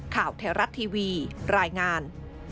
ข่าวเทราะต์ทีวีรายงาน